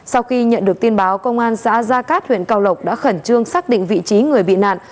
sau khi nhận được tin báo công an xã gia cát huyện cao lộc đã khẩn trương xác định vị trí người bị nạn